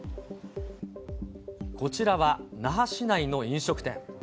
こちらは那覇市内の飲食店。